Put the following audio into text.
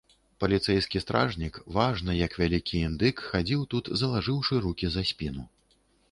Паліцэйскі стражнік важна, як вялікі індык, хадзіў тут, залажыўшы рукі за спіну.